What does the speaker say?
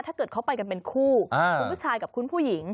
ถ้าเกิดเขาไปกันเป็นคู่คุณผู้ชายกับคุณผู้หญิง